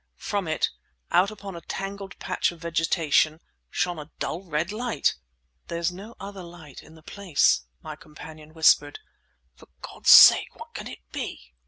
From it, out upon a tangled patch of vegetation, shone a dull red light! "There's no other light in the place," my companion whispered. "For God's sake, what can it be?"